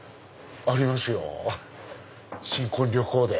ありますよ新婚旅行で。